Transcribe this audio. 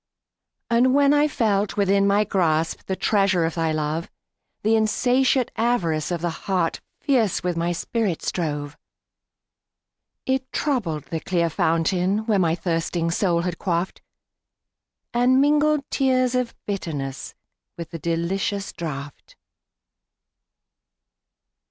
And when I felt within my grasp, The treasure of thy love; The insatiate avarice of the heart Fierce with my spirit strove.It troubled the clear fountain where My thirsting soul had quaffed, And mingled tears of bitterness With the delicious draught.